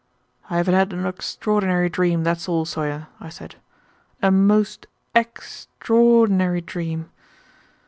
"I have had an extraordinary dream, that's all, Sawyer," I said, "a most ex traor dinary dream."